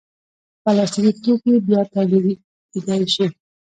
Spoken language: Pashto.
پلاستيکي توکي بیا تولیدېدای شي.